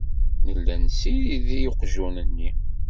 Nella nessirid i uqjun-nni.